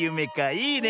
いいね。